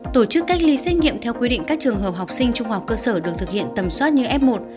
tổ chức cách ly xét nghiệm theo quy định các trường hợp học sinh trung học cơ sở được thực hiện tầm soát như f một